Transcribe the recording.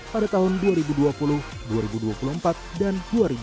pada tahun dua ribu dua puluh dua ribu dua puluh empat dan dua ribu dua puluh